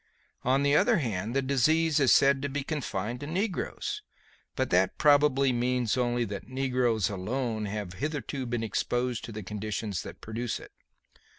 On the other hand, the disease is said to be confined to negroes; but that probably means only that negroes alone have hitherto been exposed to the conditions that produce it.